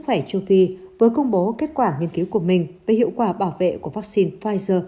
khỏe châu phi vừa công bố kết quả nghiên cứu của mình về hiệu quả bảo vệ của vaccine pfizer